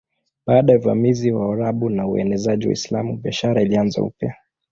Baada ya uvamizi wa Waarabu na uenezaji wa Uislamu biashara ilianza upya.